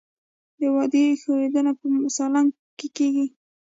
د واورې ښویدنه په سالنګ کې کیږي